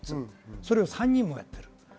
それを３人もやっています。